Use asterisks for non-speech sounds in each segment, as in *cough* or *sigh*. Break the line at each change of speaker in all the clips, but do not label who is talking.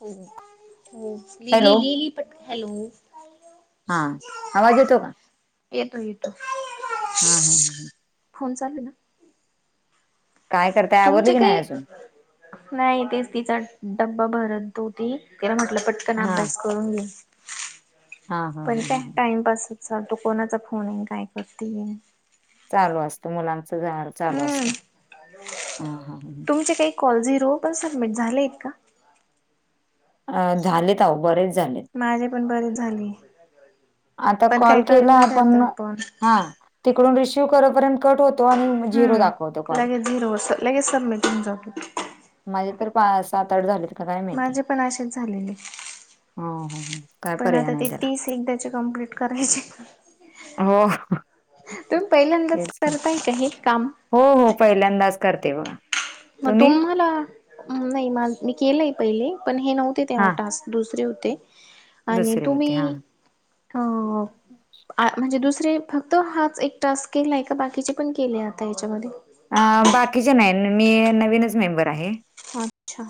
हु हु
हॅलो
लिलीलिले प हॅलो
हा आवाज येतो का
येतो येतो.
हा हा हा ह
फोन चालू ये ना
काय करताय आवरली
तुमचे
की
काई
नाही अजून
नाही तेच तिचा डब्बा भरत होती तिला म्हटलं पटकन
हा
अभ्यास करुन घे
हा हा
पण
हा हा
काय टाइमपास हो सांग तू कोणाचा फोनये नं काय करती.
चालू असतं मुलांच झालं चालू
हम्म
असतं ह ह ह
तुमचे काही कॉल झिरो पण सबमिट झालेत का?
अ झालेत आहो बरेच झालेत.
माझी पण बरेचं झाली.
आता कॉल केला आपण हा तिकडून रिसिव्ह करेपर्यंत कट होत तो आणि म झीरो
हम्म
दाखवतो कॉल.
लगेच झिरो लगेच सबमिट होऊन जातो
माझे तर पार सात आठ झालेत. का काय माहिती
माझे पण असेच झालेले
हो हो हो. काय
पण
पर्याय
आता
नाही
ते
त्याला
तीस एकदा चे कंम्प्लिट करायचे.
हो
तुम्ही पहिल्यांदाच
हेच
करताय का हे काम?
हो हो पहिल्यांदाच करते बघा.
म
तुम्ही
तुम्हाला नाही मा मी केलंय पहिले पण हे नव्हते तेव्हा
हा
टास्क. दुसरे होते आणि
दुसरे होते हा
तुम्ही हो आ म्हणजे दुसरे फक्त हाच एक टास्क केलाय का बाकीचे पण केले आता ह्याच्यामध्ये
अ बाकीचे नाय मी नवीनच मेम्बर आहे.
अच्छा.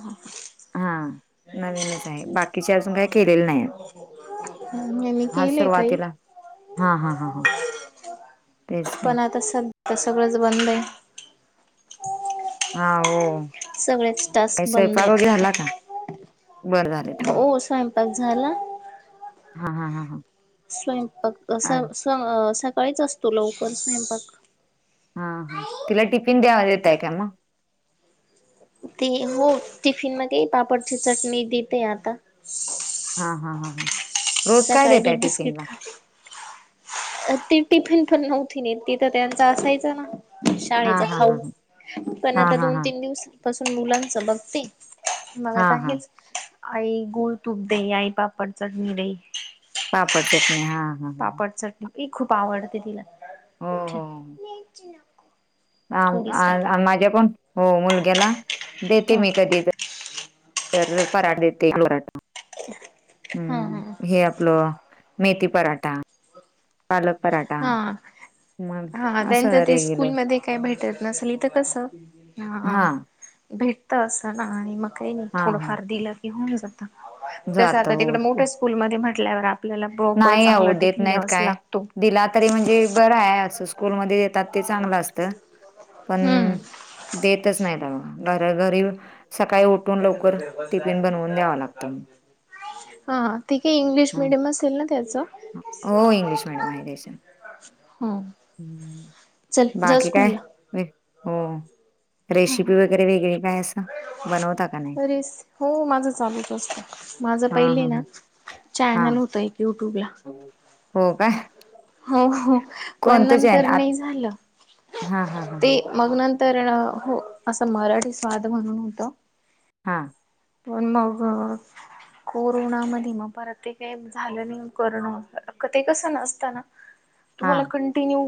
हां. नवीनच आहे. बाकीचे अजून काही केलेले नाहीत.
*inaudible*
हा
केलेय काही
सुरवातीला तेच की.
पण आता स सगळंच बंद आहे.
हा हो.
सगळेच
काही
टास्क बंद
स्वयंपाक वगैरे
येत
झाला का? बरं झालं तर
आता
मग.
ओ स्वयंपाक झाला?
हा हा हा हा
स्वयंपाक असा स अ सकाळीच असतो लवकर स्वयंपाक.
हा हा तिला टिफिन द्या देताय काय म
ते हो टिफिन मध्ये पापडची चटणी देतय आता.
हा हा हा हा रोज काय
सकाळी दूध
देताय टिफिन ला?
अ ती टिफिन पण नव्हती नेत तिथं त्यांच असायचा ना शाळेचा
हां, हां,
खाऊ
हां, हां.
पण
हां,
आता
हां,
दोन
हां.
तीन दिवसांपासून मुलांचं बघते. *unintelligible* मग आता
हां, हां.
हेच आई गुळ तूप दे आई पापड चटणी दे. *unintelligible*
पापड चटणी हा. *unintelligible*
पापड चटणी खूप आवडते तिला
हो,
छ.
हो, हो. आम आ आ माझ्या पण पो मुलग्याला देते
हा
मी कधीत *unintelligible* तर पराठ देते गोराता. *unintelligible*
*unintelligible* हा
हम् हे आपलं मेथी पराठा पालक पराठा. *unintelligible* मग
हा हा
असं
त्यांच्या ते
रेग्युलर
स्कूलमध्ये काय भेटत नसल तर कसं. *unintelligible* हा आ भेटत असं नाही मग काय
हा हा
थोडंफार दिलं की होऊन जा *unintelligible* तस
जात
आता
हो
तिकड मोठ्या स्कूल मध्ये म्हटल्यावर आपल्याला बोप
नाही अहो
चांगला
देत
टिफिन
नाहीत
द्यावाचं
काय
लाग
दिला तरी म्हणजे बरं आहे असं स्कूलमध्ये देतात ते चांगलं असत. *unintelligible* पण
हम्म
देतच नाही डबा घर घरी येऊन सकाळी उ *unintelligible*
हं ह ठीके इंग्लिश
ह
मिडीयमच *unintelligible* दिलन त्याचं. *unintelligible*
हो इंग्लिश मिडीयम आहे त्याचं. *unintelligible*
ह चल जा
बाकी काय
स्कुला. *unintelligible*
हो रेशिपी वगैरे वेगळी काय असं *unintelligible* का नाही
अरेच हो माझं चालूच असतं माझं
हा
पहिले
हा
ना *unintelligible*
हा
चॅनल होत एक युट्यूब ला *unintelligible*
हो का *unintelligible*
हो हो पण
कोणतं चॅन
नंतर
आ
नही झालं. *unintelligible*
हा हा हा हा.
ते
*unintelligible*
मग नंतर अ हो असं मराठी स्वाद म्हणून होतं. *unintelligible*
आ. *unintelligible*
पण मग *unintelligible* कोरोना मधी म परत ते केप झालं नाही कोरोना हो ते कसं नसताना.
*unintelligible*
तुम्हाला कंटिन्यू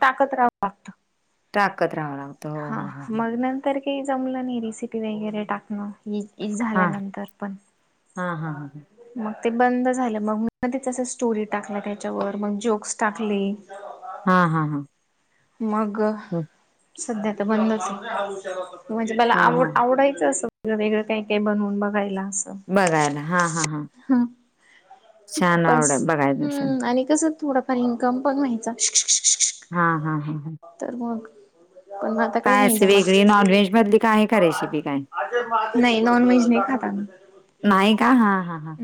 टाकत राहावं लागतं *unintelligible*
टाकत रावला *unintelligible*
हा मग नंतर काही जमलं नाही रिसिपी वगैरे टाकणं *unintelligible* एक
हा
झाल्यानंतर पण
हा हा ह
*unintelligible* मग ते बंद झालं मग म ते स्टोरी टाकल्या त्याच्यावर मग जोक्स टाकली
हां हां हां *unintelligible*
मग सध्या तर बंदच आहे म्हणजे मला
हा हा
आवड आवडायचं अस व वेगळं काही काही बनवून बघायला *unintelligible*
बघायला हा हां हां *unintelligible*
हा पण
बघायचं असेल
हम् आणि कस थोडफार इन्कम पण व्हायचा
हा हा हा हम *unintelligible*
तरर म *unintelligible*
काय असे वेगळी नॉनव्हेज मधली काय का रेसिपी काय *unintelligible*
नाही नॉन व्हेज नाही खाताता म *unintelligible*
नाही का हा हा हा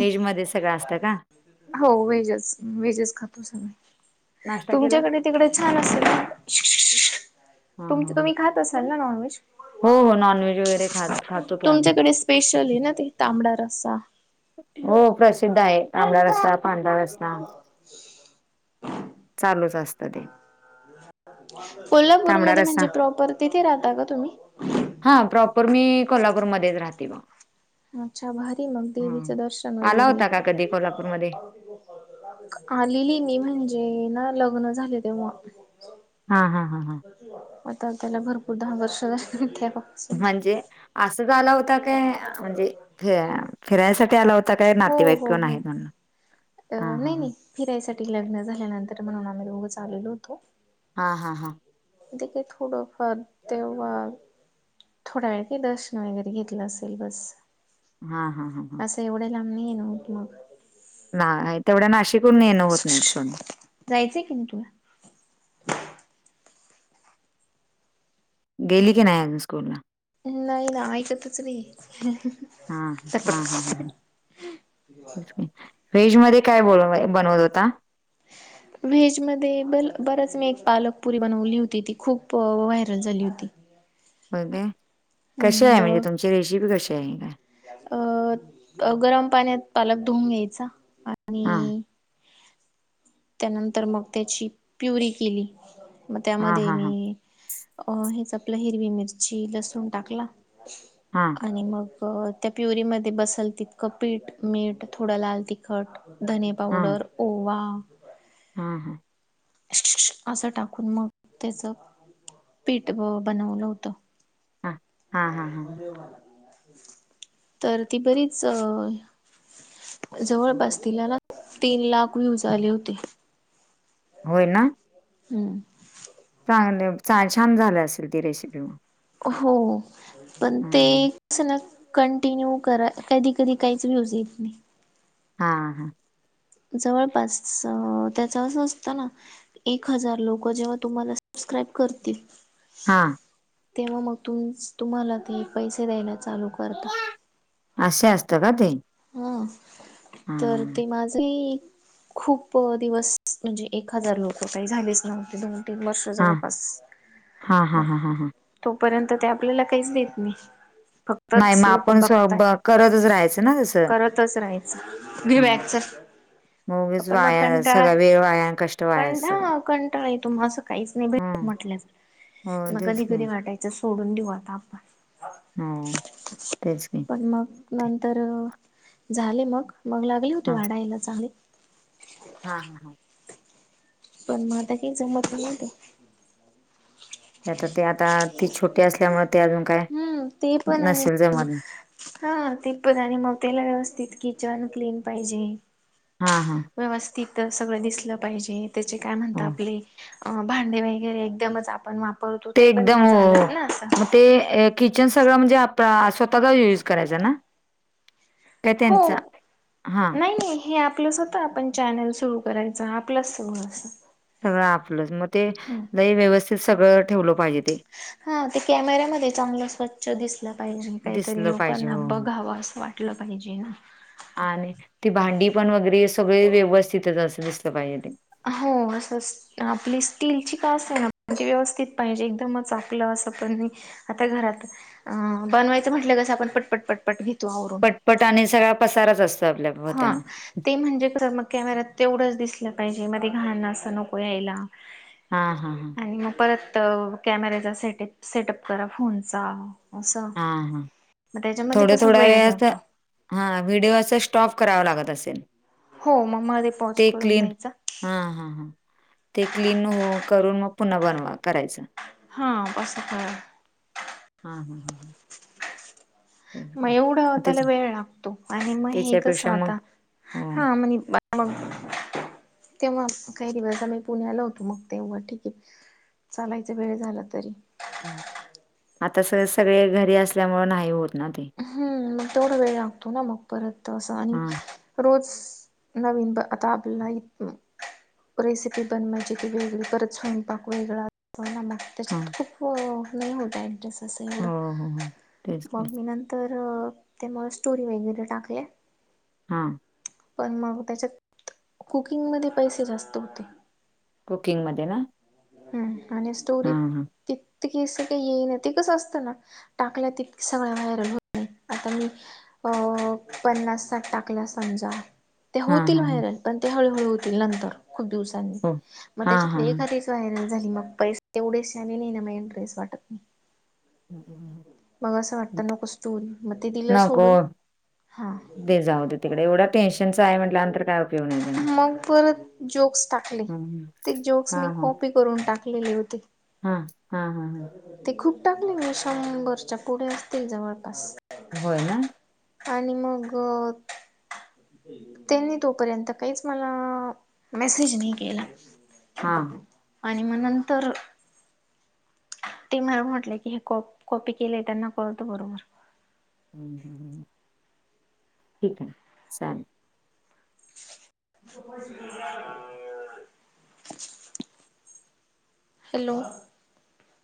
हेज मध्ये सगळं असतं का *unintelligible*
हो वहेजच व्जच खातो सग
नाश्ता केला
तुमच्याकडे तिकडे *unintelligible* *unintelligible*
हा
तम
हा
तुम्ही खात
हा
असाल ना नॉनव्ज
हो हो नॉनव्हेज वगैरे खात खातो की आम्ही
तुमच्याक *unintelligible* आणि स्पेशली ना ते तांबडा रा *unintelligible*
हो प्रसिद्ध आहे तांबडा रस्सा पांढरा रस्सा *unintelligible* चालूच असत ते *unintelligible* तांबडा
कोल्हापूरमध्ये
रस्सा
म्हणजे प्रॉपर तिथे राहता का तुम्ही *unintelligible*
हा प्रॉपर मी कोल्हापूरमध्येध्येच राहते ब
अच्छा भारी मग देवीचं दर्शन
आला
वगैरे
होता का कधी कोल्हापूरमध्ये?
आलेली नि म्हणजे ना लग्न झाले तेव्हा
हा हां हां हां
आता त्याला भरपूर दहा वर्ष झा ठे
म्हणजे असं झा आला होता काय म्हणजे फ फिरायसाठी आला होता ता काही
हो
नातेवाईक
हो
नाही
हो
आहे न
अ
हा हा
नाही
ह
नाही फिरायसाठी लग्न झाल्यानंतर म्हणून आम्ही रोग चाललेलो होतो
हा हा हा
ते काही थोडंफार तेव्हा थोडा वेळ काही दर्शन वगैरे घेतलं असेल बस
हा हा हा हा
असं एवढ्या लां नाही ये नव होत मग
नाही तेवढ्या नाशिकून येणं होत नाही सण
जायचंय की नाही तुला
गेली की नाही अजून स्कूलला
नाहीय ना आयत तस
हां, हां. व्हेज मध्ये काय बोल बनवत होता
व्हेजमध्येध्ये ब बराच मी एक पालकपुरी बनवली होती ती खूप व्हायरल झाली होती.
बोलते कशी
हम्म
आहे म्हणजे
जवळ
तुमची रेसिपी कशी आहे का.
अ गरम पाण्यात पालक धुऊन घ्यायचा
हां
आणि त्यानंतर मग त्याची प्युरी केली मग
हां,
त्यामध्ये
हां,
मी
हां,
अ हेच आपलं हिरवी मिरची लसूण टाकला
हां
आणि मग त्या प्युरीमध्ये बसल तितकं पीठ मीठ थोडं लाल तिखट धनी
हां,
पावडर ओवा
हां हां
असं टाकून मग त्याच पीठ बनवलं होत.
हां
तर ती बरीच. जवळपास तिला ना तीन लाख व्ह्यू झा आले होते.
होय ना
हम्
चांगले छान झाले असेल ती रेसिपी
हो पण ते
ह
कस ना कंटिन्यू करा कधी कधी काहीच व्यूज येत नाही.
हां हां
जवळपास त्याच अस असतं ना एक हजार लोक जेव्हा तुम्हाला सबस्क्राईब करतील.
हां
तेव्हा मग तुम तुम्हाला ते पैसे द्यायला चालू करता.
असश असतं का ते
हा
हा
तर ते माझ खूप दिवस म्हणजे एक हजार लोक काही झालीच नव्हती दोन तन बर्
हा
शजवर पाास
हा हा
मग
हा हा हा
तोपर्यंत ते आपल्याला काहीच देत नाही फक्त
नाही मग आपण स्व करतच राहायचं. ना तसं
करतच राहायचं घि
ह
बॅगच
मगच
आपण मग
वाया
कंटाळा
सगळा वेळ वाया आणि कष्ट वाया सगळं
कंठा कंटाळा आहे तुम असं काहीच नाही
ह
भेटत
हो
म्हटलं मग
तेच
कधी
की
कधी वाटायचं सोडून देऊ आता आपण.
हम्म तेच की.
पण मग
ते-
नंतर झाले मग मग लागले होती
हा
वाडायायला चांगले.
हा हा. हा.
पण म आता हे जमत नहीत.
ते आता ते आता ती छोटी असल्यामुळे ते अजून काय
हम्म ते पण आणि
नसेल जमल.
हा ते पण आणि मग त्याला व्यवस्थित किचन क्लीन पाहिजे.
हा हा.
व्यवस्थित सगळं दिसलं पाहिजे त्याचे काय म्हणता
हो
आपले - - अ भांडे वगैरे एकदमच आपण वाप
ते एकदम मग ते एक किचन सगळं म्हणजे आप स्वतःचा युज करायचां ना. काय
हो
त्यांचा? हां,
नाही नाही हे आपलंसत त आपण चॅनल सुरू करायच आपलंच सगळ असं
सगळं आपलंच मग ते
हम्म.
लई व्यवस्थित सगळं ठेवलं पाहिजे ते.
हा ते कॅमेऱ्यामध्ये चांगलं स्वच्छ दिसल -ल पाहिजे काहीतरी
दिसलं पाहिजे.
लोकांना
हो, हो.
बघावं असं वाटलं पाहिजे ना.
आणि ती भांडी पण वगैरे सगळे व्यवस्थितच असं दिसलं पाहिजे ते.
हो असंच आपली स्टीलची का असना म्हणजे व्यवस्थित पाहिजे एकदमच चांगल असं पण नई आता घरात अ बनवायचं म्हटलं कसं आपण पटपट पटपट घेतो आवरुन
पट आणि सगळा पसारच अस
हां. ते म्हणजे खर मग कॅमेरात तेवढंच दिसलं पाहिजे मध्ये घाण असं नको यायला.
हां, हां, हां.
आणि मग परत कॅमेरेचा सेट एप सेटअप करा फोनचा असं
हां, हां.
मग त्याच्यामध्ये कस वेळ जातो.
हा व्हिडिओ अस स्टॉप करावा लागत असेल.
हो मग मध्ये पॉज
ते
करून
क्लीन
द्यायचा
हा हा हा. ते क्लीन हो करून मग पुन्हा बनवा करायचं.
हा कसपण
हा हम हम ह.
मग एवढ
मग तेच
त्येला वेळ लागतो आणि मग हे कस
त्याच्यापेक्षा
आता
मग हो.
हा म्हणे मग तेव्हा काही दिवस आम्ही पुण्याला होतो मग तेव्हा ठीके. चालायचा वेळ झाला तरी.
आता स सगळे घरी असल्यामुळे नाही होत. ना ते
हम्म मग तेवढा वेळ लागतो ना मग परत असं आणि
हां
रोज - - नवीन ब अताबपल्याला हित रेसिपी बनवायची ती वेगळी परत स्वयंपाक वेगळा होईल न मग.
हां
त्याच्यात खूप नाही होत एडजेस्ट असं
हो
एवढं
हो हो तेच की
मग मी नंत तर ते मला स्टोरी वैगेरे टाकल्या.
हा.
पण मग त्याच्यात कुकिंगमध्ये पैसे जास्त होते.
कुकिंगमध्ये ना.
हम्म आणि स्टोरीत
हां हां
तीत -तकी अस काही येईन ते कसं असतं ना टाकलं त सगळ्या व्हायरल होत नाही आता मी अ पन्नास साठ टाकल्या समजा ते
हां
होतील
हां हां
व्हायरल पण ते हळूहळू होतील नंतर खूप दिवसांनी
हो
मग
हां
त्येच्यातल
हां हां
एखादीच व्हायरल झाली मग पैसे तेवढेच आले नाही ना मग इंटरेस वाटत नाही.
*inaudible*
मग असं
हं.
वाटतं नकोस टून मग ते दिलं
नको
सोडून हा.
दे जाऊदे तिकडे एवढं टेन्शनचं हाय म्हटल्या नंतर काय उपयोग नाही त्याला
मग परत जोक्स टाकले
हम्म
ते जोक्स
हां
मी कॉपी करून टाकलेले होते.
हा हा हा हा
ते खूप टाकले मी शंभरच्या पुढे असतील जवळपास.
होय ना
आणि मग, त्यांनी तोपर्यंत काहीच मला मेसेज नाही केला.
हां
आणि मग नंतर ते मला म्हटले की हे कॉपी केले त्यांना कळत बरोबर.
हम्म हम्म हम्म ठीक हाय चाल.
*unintelligible* हॅलो